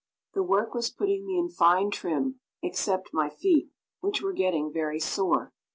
The work was putting me in fine trim, except my feet, which were getting very sore.